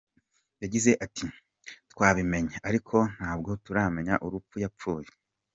Yagize ati “Twabimenye ariko ntabwo turamenya urupfu yapfuye.